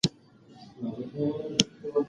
لښتې خپله ځولۍ په ځمکه کېښوده.